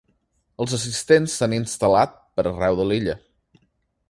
Els assistents s’han instal·lat per arreu de l’illa.